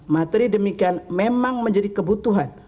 materi demikian memang menjadi kebutuhan